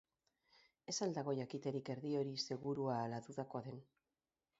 Ez al dago jakiterik erdi hori segurua ala dudakoa den?